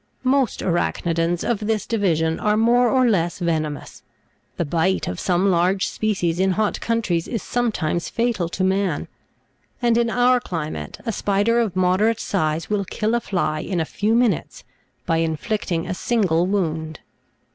21. Most Arach'nidans of this divi sion are more or less venomous ; the bite of some large species in hot coun tries is sometimes fatal to man ; and in our climate, a spider of moderate size will kill a fly in a few minutes by in flicting a single wound.